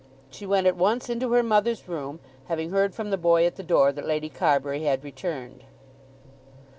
She went at once into her mother's room, having heard from the boy at the door that Lady Carbury had returned.